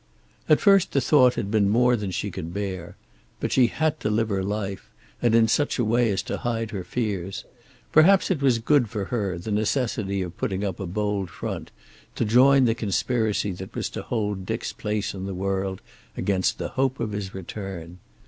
At first the thought had been more than she could bear. But she had to live her life, and in such a way as to hide her fears. Perhaps it was good for her, the necessity of putting up a bold front, to join the conspiracy that was to hold Dick's place in the world against the hope of his return.